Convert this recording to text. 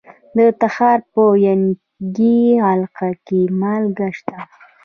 د تخار په ینګي قلعه کې مالګه شته.